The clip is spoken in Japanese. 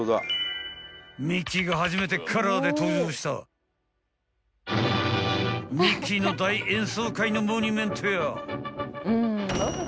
［ミッキーが初めてカラーで登場した『ミッキーの大演奏会』のモニュメントや］